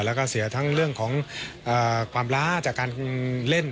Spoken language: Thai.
แล้วก็เสียทั้งเรื่องของความล้าจากการเล่น